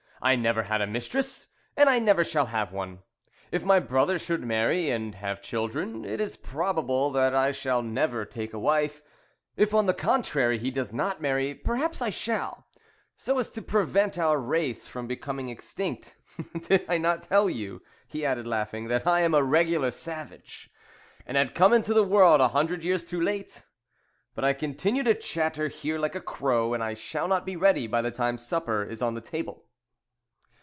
I never had a mistress, and I never shall have one. If my brother should marry, and have children, it is probable that I shall never take a wife. If, on the contrary, he does not marry, perhaps I shall, so as to prevent our race from becoming extinct. Did I not tell you," he added, laughing, "that I am a regular savage, and had come into the world a hundred years too late? But I continue to chatter here like a crow, and I shall not be ready by the time supper is on the table."